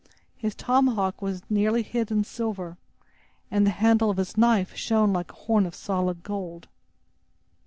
His tomahawk was nearly hid in silver, and the handle of his knife shone like a horn of solid gold.